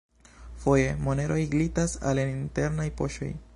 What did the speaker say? Foje, moneroj glitas al en internaj poŝoj.